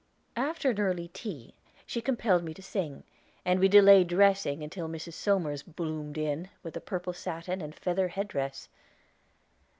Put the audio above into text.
After an early tea she compelled me to sing, and we delayed dressing till Mrs. Somers bloomed in, with purple satin and feather head dress.